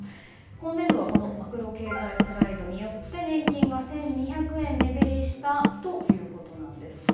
今年度はこのマクロ経済スライドによって年金が１２００円目減りしたということなんです。